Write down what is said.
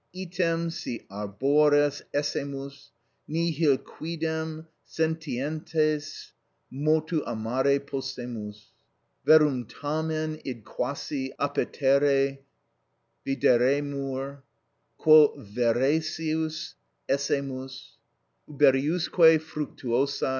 Item, si arbores essemus, nihil quidem sentientes motu amare possemus: verumtamen id quasi appetere videremur, quo feracius essemus, uberiusque fructuosæ.